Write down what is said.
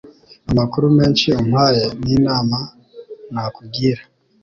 Amakuru menshi umpaye, ninama nakugira